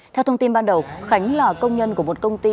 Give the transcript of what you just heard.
theo thông tin ban đầu khánh là công nhân của một công ty